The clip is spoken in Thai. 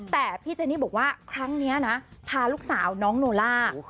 แต่พี่เจนี่บอกว่าครั้งนี้นะพาลูกสาวน้องโนล่า